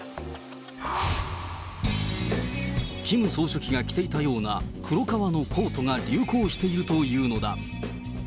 キム総書記が着ていたような黒革のコートが流行しているというのだ。